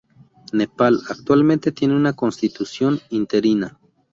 Nepal actualmente tiene una Constitución Interina.